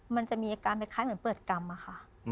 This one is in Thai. มันจะมีอาการคล้ายเหมือนเปิดกรรมอะค่ะ